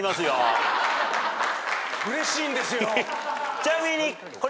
ちなみに。